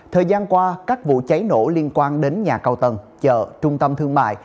thời gian qua các vụ cháy nổ liên quan đến nhà cao tầng chợ trung tâm thương mại